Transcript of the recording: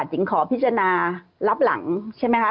หญิงขอพิจารณารับหลังใช่ไหมคะ